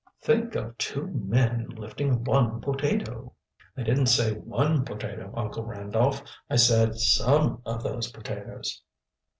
"Think of two men lifting one potato!" "I didn't say one potato, Uncle Randolph. I said some of those potatoes."